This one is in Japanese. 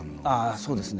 そうですか。